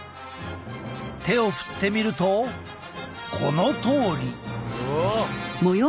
手を振ってみるとこのとおり！